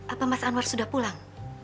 apa mas anwar sudah pulang